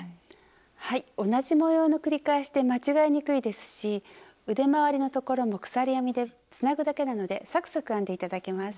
はい同じ模様の繰り返しで間違えにくいですし腕まわりのところも鎖編みでつなぐだけなのでサクサク編んでいただけます。